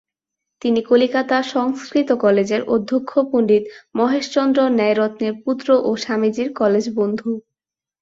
তিনি কলিকাতা সংস্কৃত কলেজের অধ্যক্ষ পণ্ডিত মহেশচন্দ্র ন্যায়রত্নের পুত্র ও স্বামীজীর কলেজ-বন্ধু।